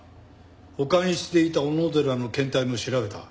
保管していた小野寺の検体も調べた。